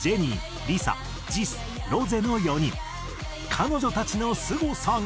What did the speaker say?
彼女たちのすごさが。